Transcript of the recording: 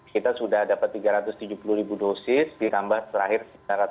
kita sudah dapat tiga ratus tujuh puluh dosis ditambah selahir satu ratus sepuluh